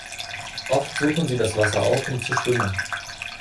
Oft suchen sie das Wasser auf, um zu schwimmen.